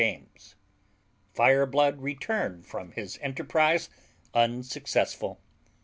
JAMES'S. Fireblood returned from his enterprise unsuccessful.